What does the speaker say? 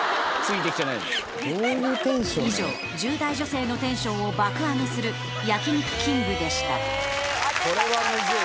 以上１０代女性のテンションを爆上げするこれはムズい。